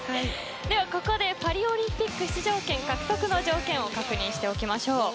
では、ここでパリオリンピック出場権獲得の条件を確認しておきましょう。